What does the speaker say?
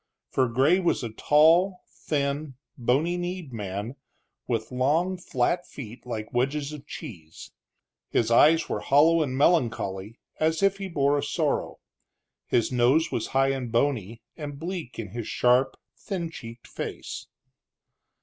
For Gray was a tall, thin, bony kneed man, with long flat feet like wedges of cheese. His eyes were hollow and melancholy, as if he bore a sorrow; his nose was high and bony, and bleak in his sharp, thin cheeked face.